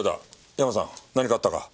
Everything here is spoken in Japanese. ヤマさん何かあったか？